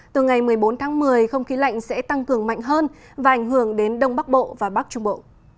từ ngày một mươi bốn tháng một mươi không khí lạnh sẽ tăng cường mạnh hơn và ảnh hưởng đến đông bắc bộ và bắc trung bộ